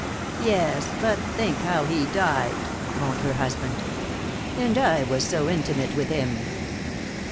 "Yes; but think how he died," moaned her husband. "And I was so intimate with him."